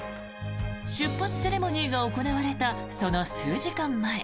出発セレモニーが行われたその数時間前。